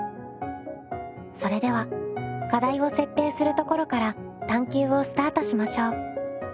それでは課題を設定するところから探究をスタートしましょう。